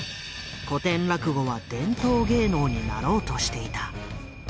古典落語は伝統芸能になろうとしていた。